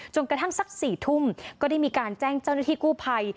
กระทั่งสัก๔ทุ่มก็ได้มีการแจ้งเจ้าหน้าที่กู้ภัย